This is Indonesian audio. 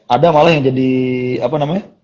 ada malah yang jadi apa namanya